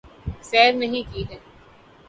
سیر نہیں کی ہے